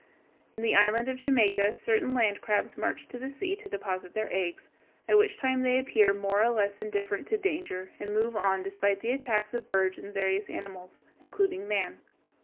In the island of Jamaica certain land crabs march to the sea to deposit their eggs, at which time they appear more or less indifferent to danger, and move on, despite the attacks of birds and various animals, including man.